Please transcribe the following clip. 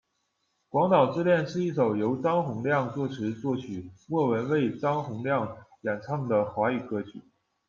广岛之恋是一首由张洪量作词作曲，莫文蔚、张洪量演唱的华语歌曲。